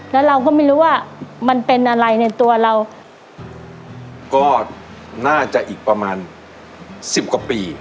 แล้วเราก็ไม่รู้ว่ามันเป็นอะไรในตัวเราก็น่าจะอีกประมาณสิบกว่าปี